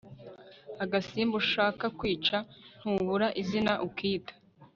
agasimba ushaka kwica ntubura izina ukita